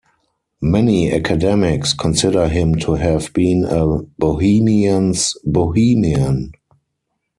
Many academics consider him to have been a bohemian's bohemian.